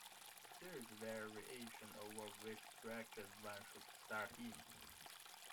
There is variation over which direction one should start in.